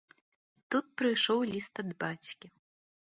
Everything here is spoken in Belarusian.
Тут прыйшоў ліст ад бацькі.